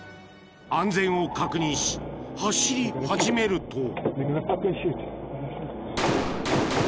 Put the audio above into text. ［安全を確認し走り始めると］